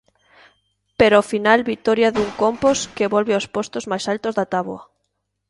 Pero ao final vitoria dun Compos que volve aos postos máis altos da táboa.